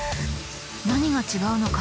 何が違うのか？